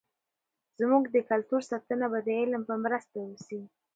زموږ د کلتور ساتنه به د علم په مرسته وسي.